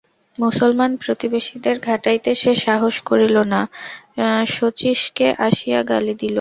মুসলমান প্রতিবেশীদের ঘাঁটাইতে সে সাহস করিল না, শচীশকে আসিয়া গালি দিল।